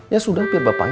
jadi gimana pak